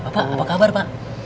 pak apa kabar pak